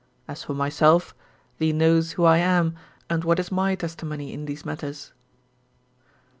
As for myself, thee knows who I am and what is my testimony in these matters."